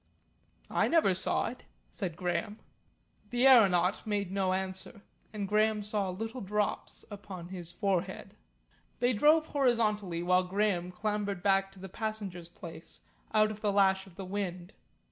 "I never saw it," said Graham. The aeronaut made no answer, and Graham saw little drops upon his forehead. They drove horizontally while Graham clambered back to the passenger's place out of the lash of the wind.